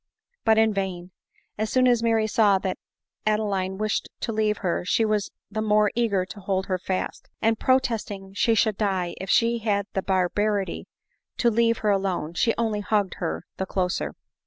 But in vain. — As soon as Mary saw that Adeline wish ed to leave her she was the more eager to hold her fast; and protesting she should die if she had the barbarity to Q46 ADELINE MOWBRAY. leave her alone, she only hugged her the closer.